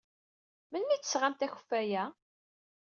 Melmi ay d-tesɣamt akeffay-a?